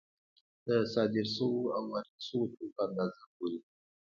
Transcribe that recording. د صادر شویو او وارد شویو توکو اندازه ګوري